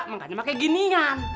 makanya pakai ginian